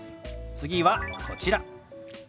次はこちら。